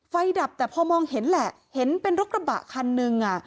ดับแต่พอมองเห็นแหละเห็นเป็นรถกระบะคันนึงอ่ะ